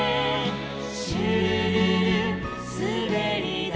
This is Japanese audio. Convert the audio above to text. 「シュルルルすべりだい」